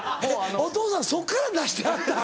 お父さんそっから出してはったん？